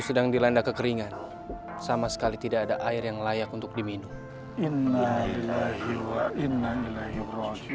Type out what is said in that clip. sedang dilanda kekeringan sama sekali tidak ada air yang layak untuk diminum